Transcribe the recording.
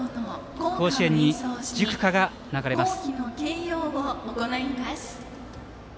甲子園に塾歌が流れます。